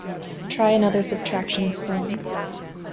Try another subtraction sum.